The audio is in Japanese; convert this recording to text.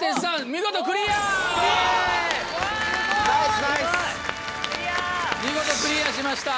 見事クリアしました。